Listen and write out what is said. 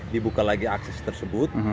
dibuka lagi akses tersebut